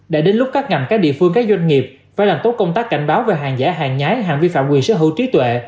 đã đến lúc các ngành các địa phương các doanh nghiệp phải làm tốt công tác cảnh báo về hàng giả hàng nhái hàng vi phạm quyền sở hữu trí tuệ